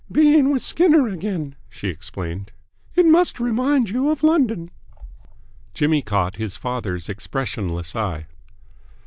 "Being with Skinner again," she explained. "It must remind you of London." Jimmy caught his father's expressionless eye.